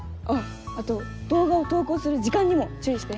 あと動画を投稿する時間にも注意して。